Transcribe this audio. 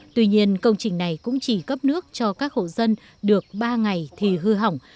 tuy nhiên công trình này cũng chỉ cấp nước cho các hộ dân được ba ngày thì hư hỏng